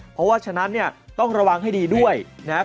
เพราะว่าฉะนั้นเนี่ยต้องระวังให้ดีด้วยนะครับ